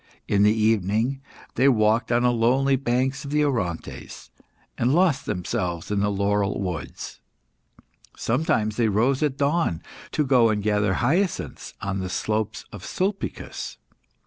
In the evening, they walked on the lonely banks of the Orontes, and lost themselves in the laurel woods. Sometimes they rose at dawn, to go and gather hyacinths on the slopes of Sulpicus.